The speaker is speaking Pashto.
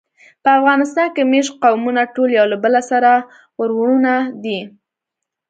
په افغانستان کې مېشت قومونه ټول یو له بله سره وروڼه دي.